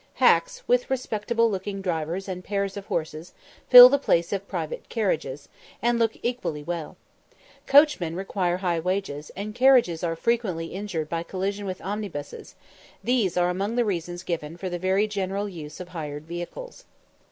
"Hacks," with respectable looking drivers and pairs of horses, fill the place of private carriages, and look equally well. Coachmen require high wages, and carriages are frequently injured by collision with omnibuses; these are among the reasons given for the very general use of hired vehicles.